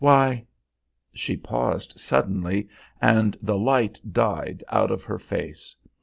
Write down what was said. Why.... She paused suddenly, and the light died out of her face.